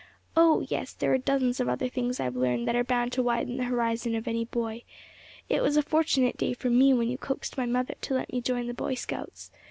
Oh! yes, there are dozens of other things I've learned that are bound to widen the horizon of any boy. It was a fortunate day for me when you coaxed my mother to let me join the Boy Scouts.